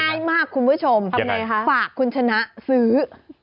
ง่ายมากคุณผู้ชมฝากคุณชนะซื้อ